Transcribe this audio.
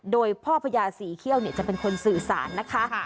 โดยพ่อพญาศรีเขี้ยวจะเป็นคนสื่อสารนะคะ